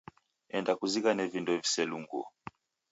Enda kuzighane vindo viselunguo.